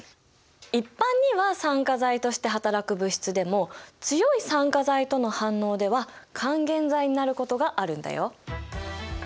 一般には酸化剤として働く物質でも強い酸化剤との反応では還元剤になることがあるんだよ。